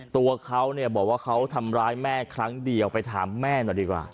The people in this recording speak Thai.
ตัวเขาเนี่ยบอกว่าเขาทำร้ายแม่ครั้งเดียวไปถามแม่หน่อยดีกว่า